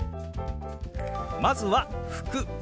まずは「服」。